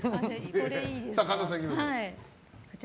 神田さん、いきましょう。